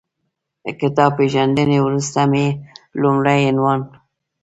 کتاب پېژندنې وروسته مې لومړی عنوان